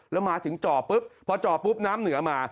แล้วมาถึงจ่อปุ๊บพอจ่อปุ๊บน้ำเหนือมา